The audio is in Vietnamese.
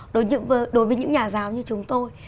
đối với những nhà giáo như chúng tôi